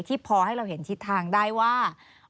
พอให้เราเห็นทิศทางได้ว่า